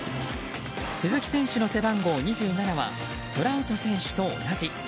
鈴木選手の背番号２７はトラウト選手と同じ。